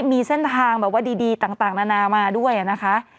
มีเส้นทางแบบว่าดีต่างนานามาด้วยนะคะ